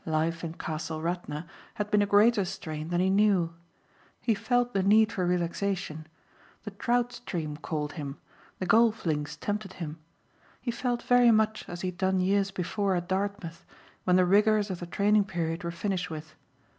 Life in Castle Radna had been a greater strain than he knew. He felt the need for relaxation. The trout stream called him, the golf links tempted him. He felt very much as he had done years before at Dartmouth when the rigors of the training period were finished with.